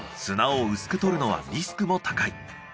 砂を薄く取るのはリスクも高い。